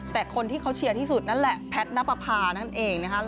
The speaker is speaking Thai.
แต่คนที่เขาเชียร์ที่สุดนั่นแหละแพทย์นับประพานั่นเองนะครับ